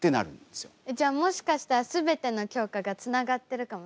じゃあもしかしたら全ての教科がつながってるかもしれない？